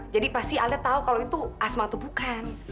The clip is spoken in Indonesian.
jadi pasti alde tau kalo itu asma atau bukan